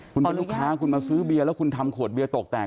คุณเป็นลูกค้าคุณมาซื้อเบียร์แล้วคุณทำขวดเบียร์ตกแตก